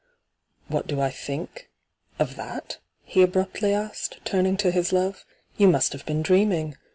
'What do I think — of that?' he abruptly asked, turning to his love. ' You must have been dreaming